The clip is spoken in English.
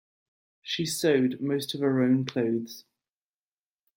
She sewed most of her own clothes.